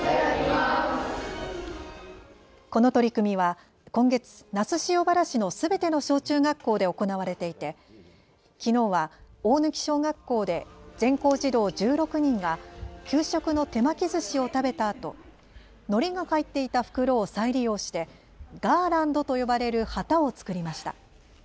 この取り組みは今月、那須塩原市のすべての小中学校で行われていてきのうは大貫小学校で全校児童１６人が給食の手巻きずしを食べたあとのりが入っていた袋を再利用してガーランドと呼ばれる旗を作りました。